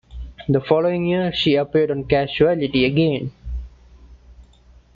The following year, she appeared on "Casualty" again.